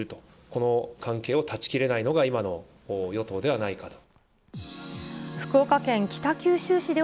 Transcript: この関係を関係を断ち切れないのが、今の与党ではないかと。